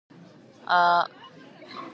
They did not help Joe’s recovery in any way.